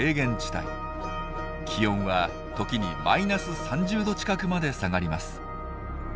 気温は時にマイナス３０℃近くまで下がります。